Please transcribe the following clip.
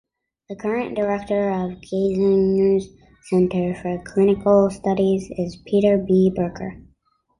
The current director of Geisinger's Center for Clinical Studies is Peter B. Berger.